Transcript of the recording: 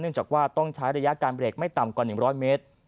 จากว่าต้องใช้ระยะการเบรกไม่ต่ำกว่า๑๐๐เมตร